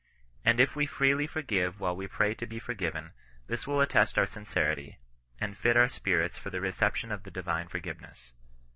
And if we freely forgive while we pray to be forgiven, this will attest our sincerity, and fit our spirits for the reception of the divine forgiveness.